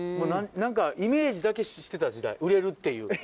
何かイメージだけしてた時代売れるっていう。